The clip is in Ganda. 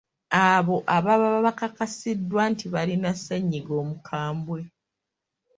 Abo ababa bakakasiddwa nti balina ssennyiga omukambwe.